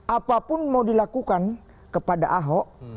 apapun mau dilakukan kepada ahok